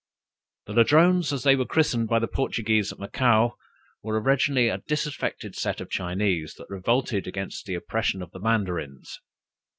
The Ladrones as they were christened by the Portuguese at Macao, were originally a disaffected set of Chinese, that revolted against the oppression of the Mandarins.